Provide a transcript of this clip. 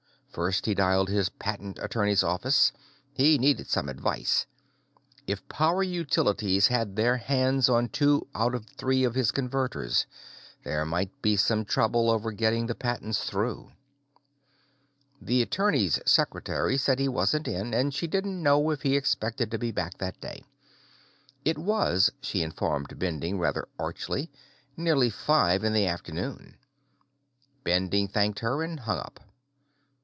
First, he dialed his patent attorney's office; he needed some advice. If Power Utilities had their hands on two out of three of his Converters, there might be some trouble over getting the patents through. The attorney's secretary said he wasn't in, and she didn't know if he expected to be back that day. It was, she informed Bending rather archly, nearly five in the afternoon. Bending thanked her and hung up.